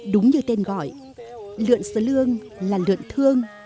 đúng như tên gọi lượn slo lương là lượn thương